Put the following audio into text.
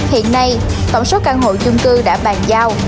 hiện nay tổng số căn hộ chung cư đã bàn giao